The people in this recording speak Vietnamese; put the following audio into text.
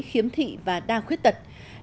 khiếm thị và đa khuyết tật